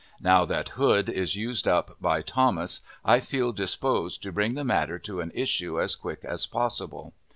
Now that Hood is used up by Thomas, I feel disposed to bring the matter to an issue as quick as possible.